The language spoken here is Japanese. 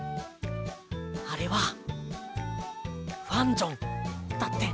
あれは「ファンジョン」だって。